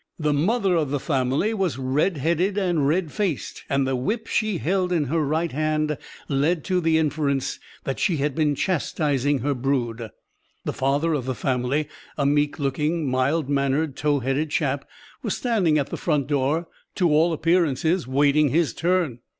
The mother of the family was red headed and red faced, and the whip she held in her right hand led to the inference that she had been chastising her brood. The father of the family, a meek looking, mild mannered, tow headed chap, was standing at the front door to all appearances waiting his turn!